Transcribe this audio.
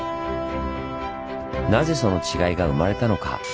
なぜその違いが生まれたのか？